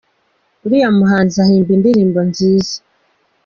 Uriya muhanzi ahimba indirimbo nziza.